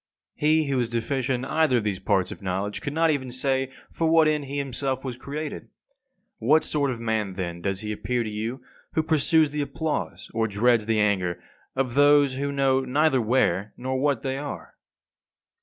He who is deficient in either of these parts of knowledge cannot even say for what end he himself was created. What sort of man then does he appear to you who pursues the applause or dreads the anger of those who know neither where nor what they are?